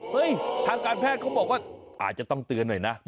ทางการแพทย์เขาบอกว่าอาจจะต้องเตือนหน่อยนะ